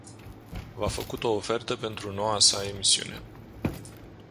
V-a făcut o ofertă pentru noua sa emisiune.